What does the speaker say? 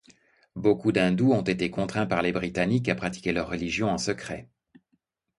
Beaucoup d'hindous ont été contraints par les Britanniques à pratiquer leur religion en secret.